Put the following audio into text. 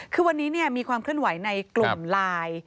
คือวันนี้มีความเคลื่อนไหวในกลุ่มไลน์